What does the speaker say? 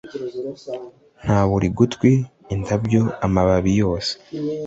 nka buri gutwi, indabyo, amababi yose